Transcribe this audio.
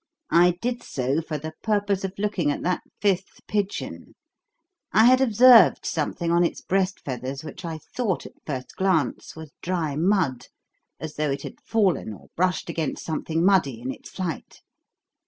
I did so for the purpose of looking at that fifth pigeon. I had observed something on its breast feathers which I thought, at first glance, was dry mud, as though it had fallen or brushed against something muddy in its flight.